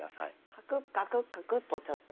カクッカクッカクッとちょっと。